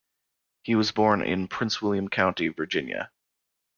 He was born in Prince William County, Virginia.